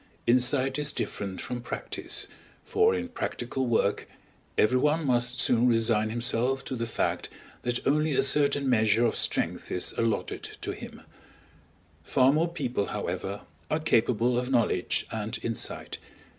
Insight is different from practice, for in practical work everyone must soon resign himself to the fact that only a certain measure of strength is alloted to him; far more people, however, are capable of knowledge and insight.